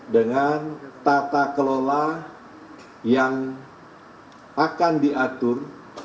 dengan tata kelola yang akan diatur